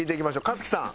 香月さん